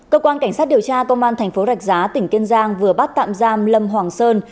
cơ quan cảnh sát điều tra công an thành phố rạch giá tỉnh kiên giang vừa bắt tạm giam lâm hoàng sơn